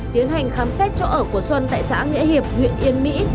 tiến hành khám xét chỗ ở của xuân tại xã nghĩa hiệp huyện yên mỹ